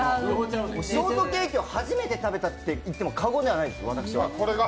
ショートケーキを初めて食べたと言っても過言ではないです。